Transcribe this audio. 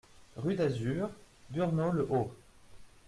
Rue d'Azur, Burnhaupt-le-Haut